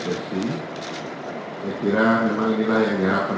saya kira memang inilah yang diharapkan